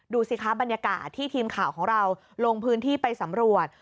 ดูสิคะบรรยากาศที่ทีมข่าวของเราลงพื้นที่ไปสำรวจ